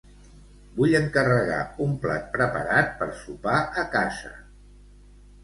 Vull encarregar un plat preparat per sopar a casa.